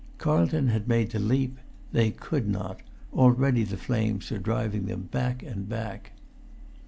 Carlton had made the leap; they could not; already the flames were driving them back and back.